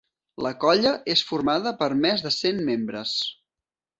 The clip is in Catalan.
La colla és formada per més de cent membres.